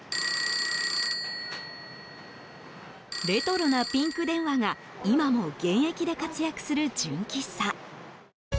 レトロなピンク電話が今も現役で活躍する純喫茶。